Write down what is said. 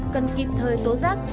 cần kiếm thời tố giác